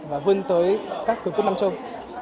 và vươn tới các cường quốc mang chung